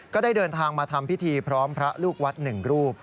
ก็ได้เดินทางมาทำพิธีพร้อมพระลูกวัดหนึ่งรูป